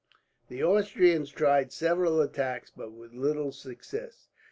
The Austrians tried several attacks, but with little success.